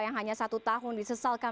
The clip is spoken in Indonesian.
yang hanya satu tahun disesalkan